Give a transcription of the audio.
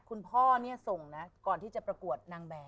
คุณพ่อเนี่ยส่งนะก่อนที่จะประกวดนางแบบ